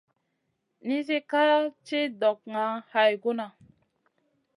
Nizi ka ci ɗokŋa hay guna.